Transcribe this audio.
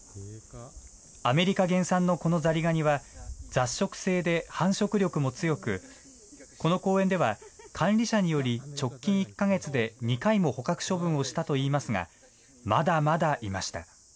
アメリカ原産のこのザリガニは、雑食性で繁殖力も強く、この公園では管理者により直近１か月で２回も捕獲処分をしたといいますが、まだまだいました。